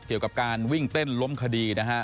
เกี่ยวกับการวิ่งเต้นล้มคดีนะฮะ